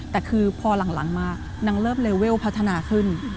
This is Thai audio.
แต่พอหลังมากเธอนั้นเริ่มเลเวลพัฒนาขึ้น